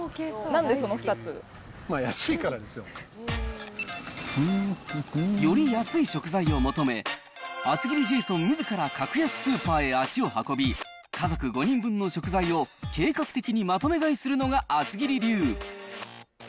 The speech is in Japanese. なんでその２つ？より安い食材を求め、厚切りジェイソンみずから格安スーパーへ足を運び、家族５人分の食材を計画的にまとめ買いするのが厚切り流。